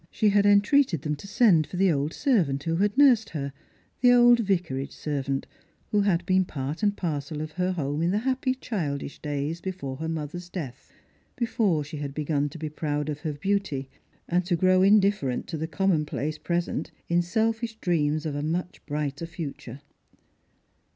She had entreated them to send for the old servant who had nursed her, the old Vicarage servant who had been part and parcel of her home in the happy childish days before her mother's death, before she had begun to be proud of her beauty and to grow indifferent to the common place present in selfish dreams of a much brighter future.